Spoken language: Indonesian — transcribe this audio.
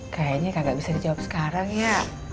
kayaknya gak bisa dijawab sekarang ya